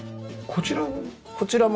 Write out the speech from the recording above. こちらは？